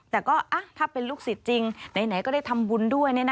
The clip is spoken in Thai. แต่ก็ถ้าเป็นลูกศิษย์จริงไหนก็ได้ทำบุญด้วย